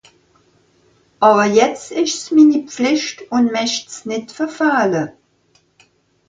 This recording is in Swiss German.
Àwwer jetzt ìsch's mini Pflìcht ùn mächt's nìtt verfähle.